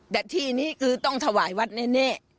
แต่ที่นี้คือต้องถวายวัดแน่